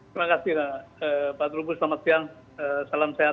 terima kasih pak trubus selamat siang salam sehat